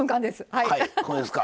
はいそうですか。